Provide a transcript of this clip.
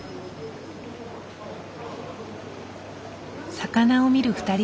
魚を見る２人連れ。